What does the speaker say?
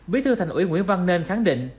bí thư thành ủy nguyễn văn nên khẳng định